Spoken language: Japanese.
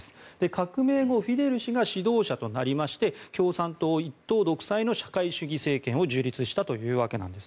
革命後、フィデル氏が指導者となりまして共産党一党独裁の社会主義政権を樹立したというわけです。